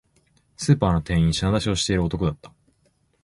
スーパーの店員、品出しをしている男だった